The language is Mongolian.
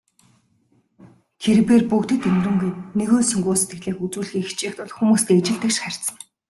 Тэр бээр бүгдэд энэрэнгүй, нигүүлсэнгүй сэтгэлийг үзүүлэхийг хичээх тул хүмүүстэй ижил тэгш харьцана.